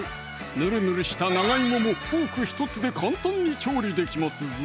ぬるぬるした長芋もフォーク１つで簡単に調理できますぞ！